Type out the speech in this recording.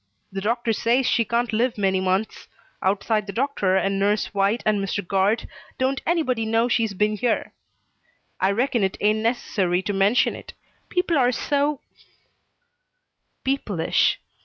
The doctor says she can't live many months. Outside the doctor, and Nurse White and Mr. Guard, don't anybody know she's been here. I reckon it ain't necessary to mention it. People are so " "People ish!